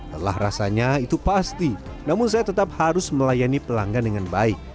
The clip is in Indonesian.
lelah rasanya itu pasti namun saya tetap harus melayani pelanggan dengan baik